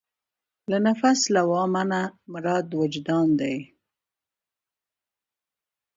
له نفس لوامه نه مراد وجدان دی.